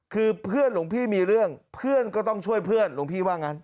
คือเพื่อนหลวงพี่มีเรื่องเพื่อนก็ต้องช่วยเพื่อนหลวงพี่ว่างั้น